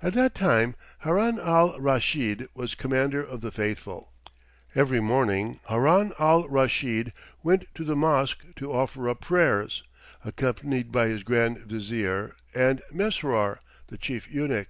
At that time Haroun al Raschid was Commander of the Faithful. Every morning Haroun al Raschid went to the mosque to offer up prayers, accompanied by his Grand Vizier and Mesrour the Chief Eunuch.